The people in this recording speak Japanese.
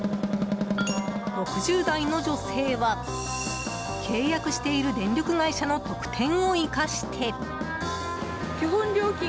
６０代の女性は、契約している電力会社の特典を生かして。